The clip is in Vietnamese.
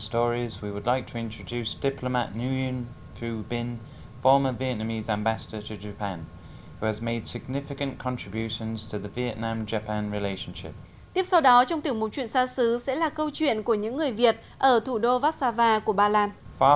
tiếp sau đó trong tiểu mục chuyện xa xứ sẽ là câu chuyện của những người việt ở thủ đô vác xa va của ba lan